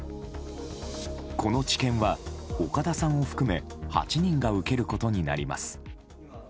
この治験は岡田さんを含め８人が受けることになります。